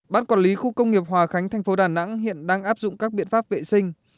bán quản lý khu công nghiệp hòa khánh thành phố đà nẵng hiện đang áp dụng các biện pháp vệ sinh